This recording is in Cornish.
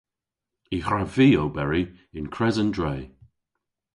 Y hwrav vy oberi yn kres an dre.